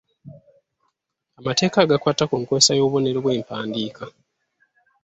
Amateeka agakwata ku nkozesa y’obubonero bw’empandiika.